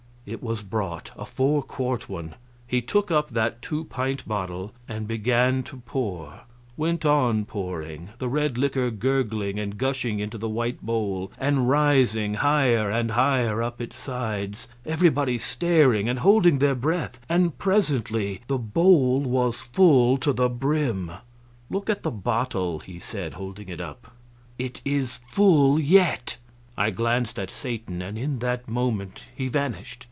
It was brought a four quart one. He took up that two pint bottle and began to pour; went on pouring, the red liquor gurgling and gushing into the white bowl and rising higher and higher up its sides, everybody staring and holding their breath and presently the bowl was full to the brim. "Look at the bottle," he said, holding it up; "it is full yet!" I glanced at Satan, and in that moment he vanished.